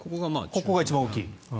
ここが一番大きい。